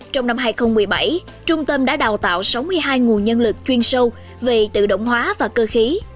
trong năm hai nghìn một mươi bảy trung tâm đã đào tạo sáu mươi hai nguồn nhân lực chuyên sâu về tự động hóa và cơ khí